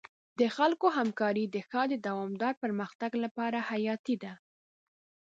د خلکو همکاري د ښار د دوامدار پرمختګ لپاره حیاتي ده.